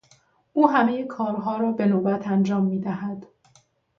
او همهی کارها را به نوبت انجام میدهد.